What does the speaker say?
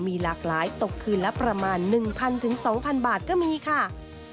มีหลากหลายตกคืนละประมาณ๑๐๐๒๐๐บาทก็มีค่ะ